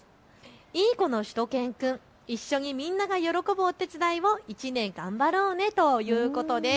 いい子のしゅと犬くん、一緒にみんなが喜ぶお手伝いを１年頑張ろうねとのことです。